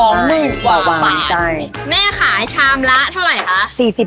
๒หมื่นกว่าบาทแม่ขายชามละเท่าไหร่คะ